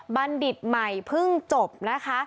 บัณฑิตใหม่เพิ่งจบนะคะ